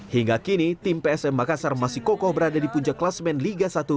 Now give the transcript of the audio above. hingga kini tim psm makassar masih kokoh berada di puncak kelasmen liga satu